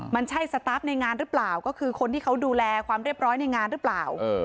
มันใช่สตาร์ฟในงานหรือเปล่าก็คือคนที่เขาดูแลความเรียบร้อยในงานหรือเปล่า